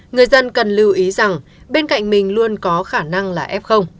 người dân cần lưu ý rằng bên cạnh mình luôn có khả năng là f